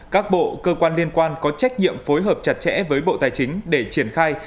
các bộ cơ quan liên quan có trách nhiệm phối hợp chặt chẽ với bộ tài chính để triển khai